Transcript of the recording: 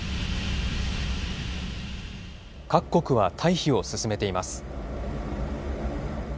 各国は退避を進めています。